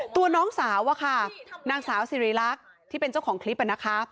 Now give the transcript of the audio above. ตัวน้องสาวอะค่ะนางสาวสิริรักษ์ที่เป็นเจ้าของคลิปนะคะ